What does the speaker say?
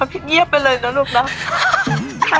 เอาพีชเงียบไปเลยนะลูกเนอะ